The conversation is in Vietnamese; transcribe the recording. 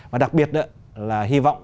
và đặc biệt là hy vọng